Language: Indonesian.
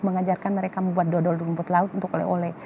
mengajarkan mereka membuat dodol rumput laut untuk oleh oleh